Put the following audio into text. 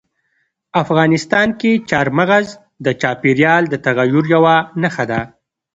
افغانستان کې چار مغز د چاپېریال د تغیر یوه نښه ده.